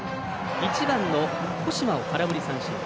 １番の後間を空振り三振。